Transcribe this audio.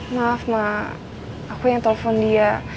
maaf ma aku yang telfon dia